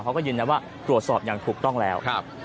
เขาก็ยืนยันว่าตรวจสอบอย่างถูกต้องแล้ว